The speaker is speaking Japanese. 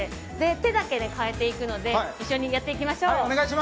手だけ変えていくので一緒にやっていきましょう。